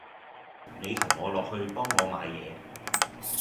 你同我落去幫我買嘢